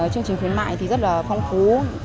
chương trình khuyến mại thì rất là phong phú